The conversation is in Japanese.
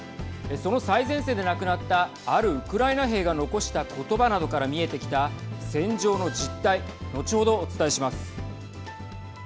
その最前線で亡くなったあるウクライナ兵が残したことばなどから見えてきた戦場の実態後ほどお伝えします。